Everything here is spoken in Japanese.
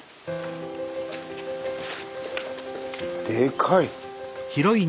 でかい！